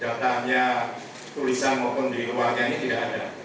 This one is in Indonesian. karena datanya tulisan maupun di luarnya ini tidak ada